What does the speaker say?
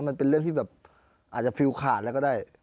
มันเป็นเรื่องที่แบบอาจจะฟิลขาดแล้วก็ได้